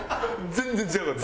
全然違うかった。